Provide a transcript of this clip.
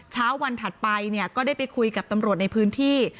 เช้าวันถัดไปเนี่ยก็ได้ไปคุยกับตำรวจในพื้นที่